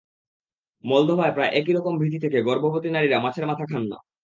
মলদোভায় প্রায় একই রকম ভীতি থেকে গর্ভবতী নারীরা মাছের মাথা খান না।